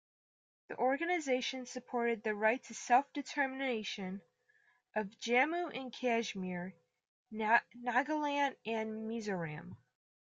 The organisation supported the right to self-determination of Jammu and Kashmir, Nagaland and Mizoram.